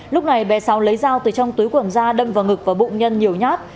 lúc này bé sáu lấy dao từ trong túi quần da đâm vào ngực và bụng nhân nhiều nhát